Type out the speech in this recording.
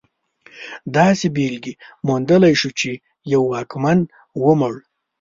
داسې بېلګې موندلی شو چې یو واکمن ومړ.